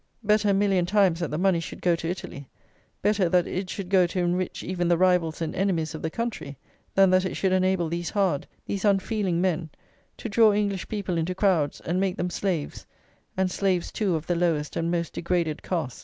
Better a million times that the money should go to Italy; better that it should go to enrich even the rivals and enemies of the country; than that it should enable these hard, these unfeeling men, to draw English people into crowds and make them slaves, and slaves too of the lowest and most degraded cast.